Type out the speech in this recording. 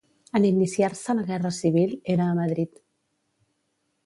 En iniciar-se la Guerra Civil, era a Madrid.